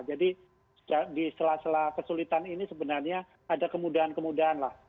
jadi di sela sela kesulitan ini sebenarnya ada kemudahan kemudahan lah